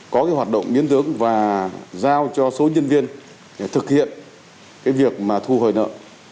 có hoạt động biến tướng và giao cho số nhân viên thực hiện việc thu hồi nợ